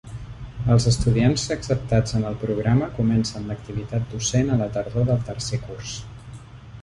Els estudiants acceptats en el programa comencen l'activitat docent a la tardor del tercer curs.